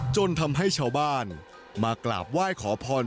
จนทำให้ชาวบ้านมากราบไหว้ขอพร